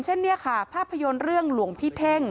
เช่นภาพยนตร์เรื่องหลวงพี่เท่ง